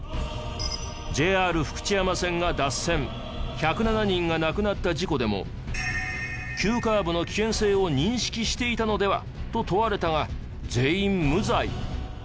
ＪＲ福知山線が脱線１０７人が亡くなった事故でも「急カーブの危険性を認識していたのでは？」と問われたが全員無罪。